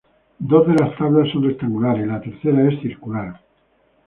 Dos de las tablas son rectangulares y la tercera es circular.